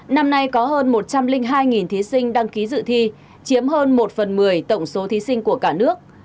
năm nay có hơn một trăm linh hai thí sinh đăng ký dự thi chiếm hơn một phần một mươi tổng số thí sinh của cả nước